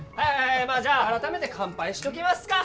まあじゃあ改めて乾杯しときますか。